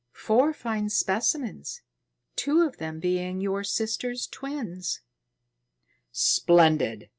"Four fine specimens, two of them being your sister's twins." "Splendid!